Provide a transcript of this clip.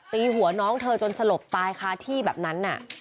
ตีหัวน้องเธอจนสลบตายคาที่แบบนั้น